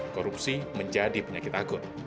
korupsi menjadi penyakit akut